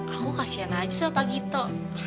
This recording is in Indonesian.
aku kasihan aja soalnya pak gito